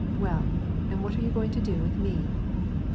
Well, and what do you mean to do with me?"